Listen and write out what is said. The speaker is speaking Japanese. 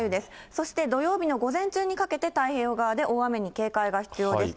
そして土曜日の午前中にかけて太平洋側で大雨に警戒が必要です。